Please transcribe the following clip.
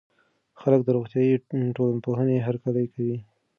خلګ د روغتيائي ټولنپوهنې هرکلی کوي.